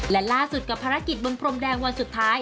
และล่าสุดกับภารกิจบนพรมแดงวันสุดท้าย